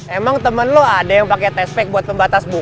emang temen lo ada yang pake test pack buat pembatas buku